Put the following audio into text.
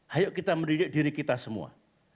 ayo kita mendidik diri kita semua